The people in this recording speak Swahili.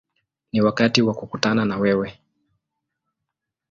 Ni wakati wa kukutana na wewe”.